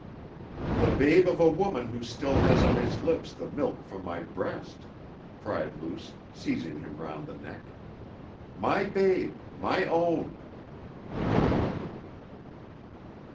"The babe of a woman who still has on his lips the milk from my breast," cried Luce, seizing him round the neck. "My babe, my own!"